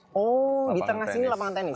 oh di tengah sini lapangan tenis